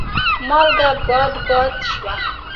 مالګه باد باد شوه.